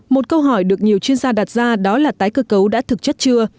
một câu hỏi được nhiều chuyên gia đặt ra đó là tái cơ cấu đã thực chất chưa